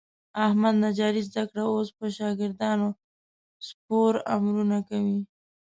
احمد نجاري زده کړه. اوس په شاګردانو سپور امرونه کوي.